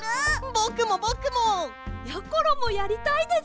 ぼくもぼくも！やころもやりたいです！